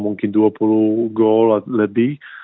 mungkin dua puluh gol atau lebih